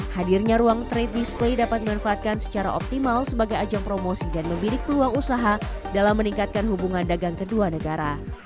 hadirnya ruang trade display dapat dimanfaatkan secara optimal sebagai ajang promosi dan membidik peluang usaha dalam meningkatkan hubungan dagang kedua negara